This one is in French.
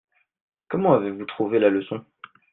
Comment avez-vous trouver la leçon ?